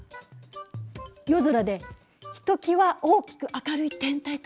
夜空でひときわ大きく明るい天体といえば？